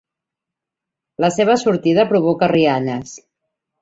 La seva sortida provoca rialles.